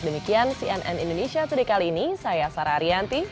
demikian cnn indonesia today kali ini saya sarah ariyanti